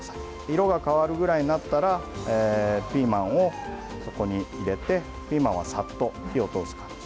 色が変わるぐらいになったらピーマンをそこに入れてピーマンはさっと火を通す感じ。